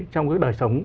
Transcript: trong cái đời sống